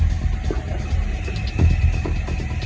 เพราะว่าเมืองนี้จะเป็นที่สุดท้าย